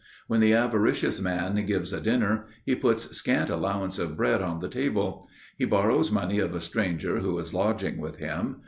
When the avaricious man gives a dinner, he puts scant allowance of bread on the table. He borrows money of a stranger who is lodging with him.